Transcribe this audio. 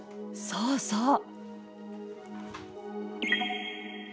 そうそう。